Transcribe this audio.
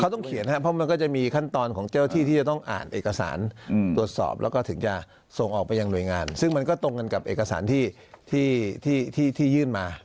ต้องเขียนครับเพราะมันก็จะมีขั้นตอนของเจ้าหน้าที่ที่จะต้องอ่านเอกสารตรวจสอบแล้วก็ถึงจะส่งออกไปยังหน่วยงานซึ่งมันก็ตรงกันกับเอกสารที่ยื่นมา